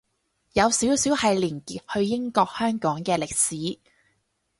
有少少係連結去英國香港嘅歷史